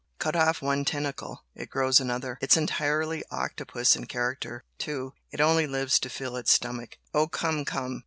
Cut off one tentacle, it grows another. It's entirely octopus in character, too, it only lives to fill its stomach." "Oh, come, come!"